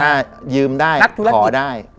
ถ้ายืมได้ขอได้